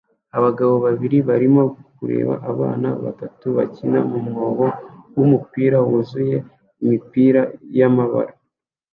abagabo babiri barimo kureba abana batatu bakina mu mwobo wumupira wuzuye imipira yamabara